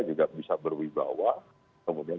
juga bisa berwibawa kemudian